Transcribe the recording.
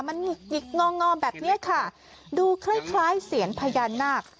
มันหงิกงอแบบนี้ค่ะดูคล้ายเสียญพญานาค